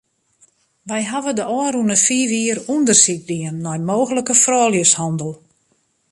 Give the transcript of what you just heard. Wy hawwe de ôfrûne fiif jier ûndersyk dien nei mooglike frouljushannel.